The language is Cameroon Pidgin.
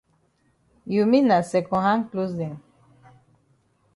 You mean na second hand closs dem.